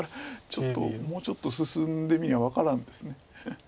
ちょっともうちょっと進んでみな分からんです。